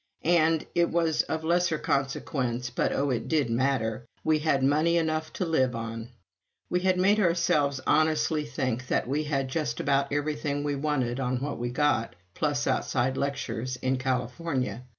And it was of lesser consequence, but oh it did matter we had money enough to live on!! We had made ourselves honestly think that we had just about everything we wanted on what we got, plus outside lectures, in California.